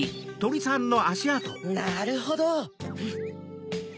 なるほど！